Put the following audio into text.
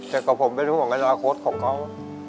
แต่ก็ผมเป็นห่วงอนาคตของเขา